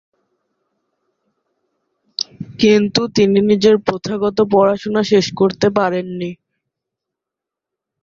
কিন্তু তিনি নিজের প্রথাগত পড়াশোনা শেষ করতে পারেন নি।